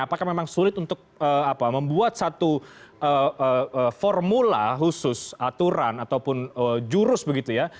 apakah memang sulit untuk membuat satu formula khusus aturan atau perintah